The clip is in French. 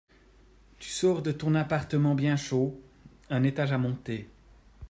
Tu sors de ton appartement bien chaud … un étage à monter …